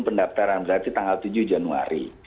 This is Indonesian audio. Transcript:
pendaftaran berarti tanggal tujuh januari